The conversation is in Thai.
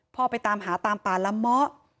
พ่อไปตามหาตามป่าละมะ